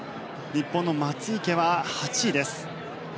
日本の松生は８位です。